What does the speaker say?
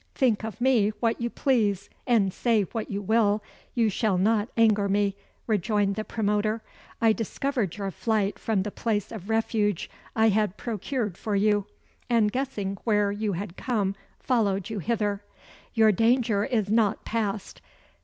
"Think of me what you please, and say what you will you shall not anger me," rejoined the promoter. "I discovered your flight from the place of refuge I had procured for you, and guessing where you had come, followed you hither. Your danger is not past.